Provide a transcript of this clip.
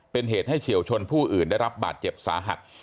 เป็นเหตุให้เฉียวชนผู้อื่นได้รับบาดเจ็บสาหัส